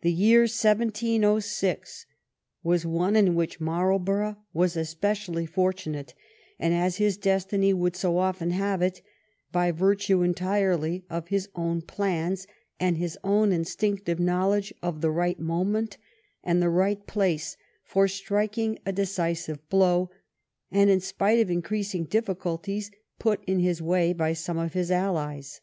The year 1706 was one in which Marlbor ough was especially fortunate, and, as his destiny would so often have it, by virtue entirely of his own plans and his own instinctive knowledge of the right moment and the right place for striking a decisive blow, and in spite of increasing difficulties put in his way by some of his allies.